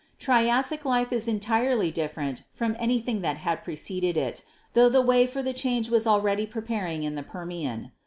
"Triassic life is entirely different from anything that had preceded it, tho the way for the change was already preparing in the Permian.